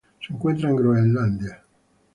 Se encuentra en Groenlandia.